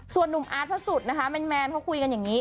ส่วนนุ่มอาร์ตพระสุทธิ์นะคะแมนเขาคุยกันอย่างนี้